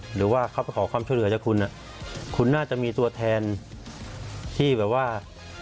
หรือว่าเขาไปขอความช่วยเหลือจากคุณคุณน่าจะมีตัวแทนที่แบบว่า